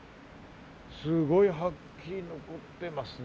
すごいはっきり残ってますね。